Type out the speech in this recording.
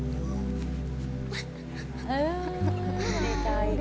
ดีใจ